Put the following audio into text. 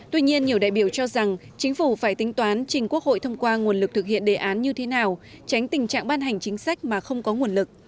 tuy nhiên nhiều đại biểu cho rằng chính phủ phải tính toán trình quốc hội thông qua nguồn lực thực hiện đề án như thế nào tránh tình trạng ban hành chính sách mà không có nguồn lực